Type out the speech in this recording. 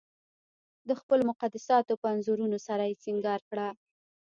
د خپلو مقدساتو په انځورونو سره یې سنګار کړه.